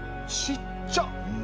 ちっちゃ。